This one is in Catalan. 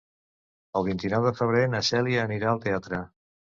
El vint-i-nou de febrer na Cèlia anirà al teatre.